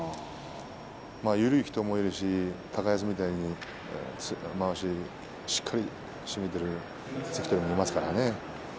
緩い人もいるし高安みたいにまわしをしっかり締めている関取もいますからね。